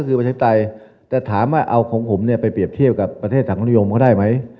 เอาของผมเนี่ยไปเปรียบเทียบกับประเทศสังคมนิยมเขาได้ไหม